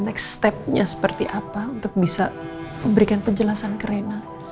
next stepnya seperti apa untuk bisa memberikan penjelasan ke rena